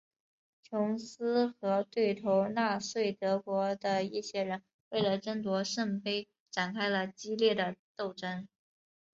琼斯和对头纳粹德国的一些人为了争夺圣杯展开了激烈的斗争。